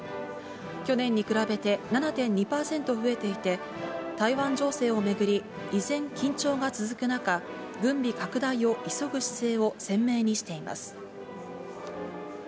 去年に比べて７．２％増えていて、台湾情勢をめぐり依然、緊張が続く中、軍備拡大を急ぐ姿勢を鮮明にしています。